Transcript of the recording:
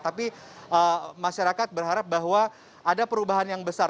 tapi masyarakat berharap bahwa ada perubahan yang besar